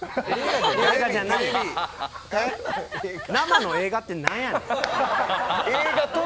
生の映画って何やねん。